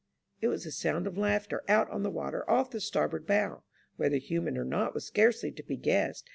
It was a sound of laughter out on the water off the starboard bow ; whether human or not was scarcely to be guessed.